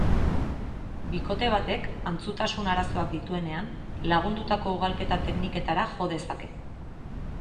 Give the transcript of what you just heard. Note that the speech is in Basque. Bikote batek antzutasun-arazoak dituenean, lagundutako ugalketa-tekniketara jo dezake.